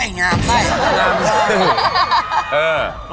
เฮ้ยงามได้